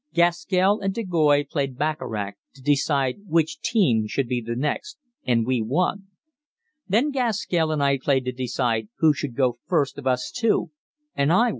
Gaskell and de Goys played baccarat to decide which team should be the next, and we won. Then Gaskell and I played to decide who should go first of us two, and I won.